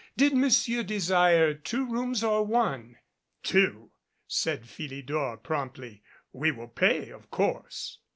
Did Monsieur desire two rooms or one? "Two," said Philidor promptly. "We will pay of course."